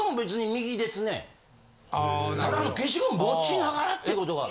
ただ消しゴム持ちながらってことは。